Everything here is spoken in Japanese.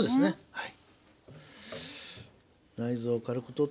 はい。